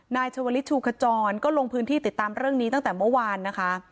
นายชวลิชชูขจรก็ลงพื้นที่ติดตามเรื่องนี้ตั้งแต่เมื่อวานนะคะ